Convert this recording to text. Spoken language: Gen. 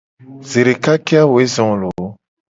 Zedeka ke a woe zo loo.